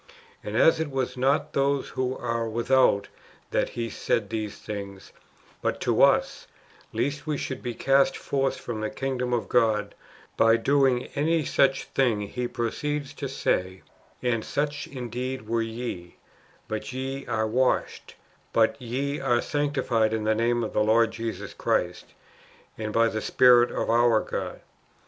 "^ And as it was not to those who are without that he said these things, but to us, lest we should be cast forth from the kingdom of God, by doing any such thing, he proceeds to say, '' And such indeed were ye ; but ye are washed, but ye are sanctified in the name of the Lord Jesus Christ, and by the Spirit of our God."